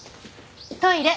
トイレ。